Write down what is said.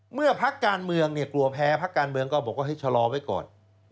พักการเมืองเนี่ยกลัวแพ้พักการเมืองก็บอกว่าให้ชะลอไว้ก่อน